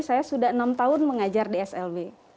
saya sudah enam tahun mengajar di slb